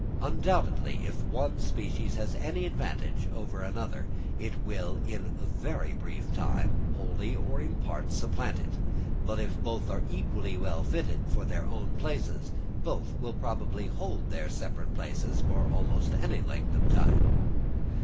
Undoubtedly, if one species has any advantage over another, it will in a very brief time wholly or in part supplant it; but if both are equally well fitted for their own places, both will probably hold their separate places for almost any length of time.